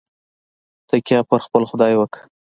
تکیه پر خپل خدای وکړه.